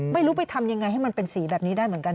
ไม่รู้ไปทำยังไงให้มันเป็นสีแบบนี้ได้เหมือนกัน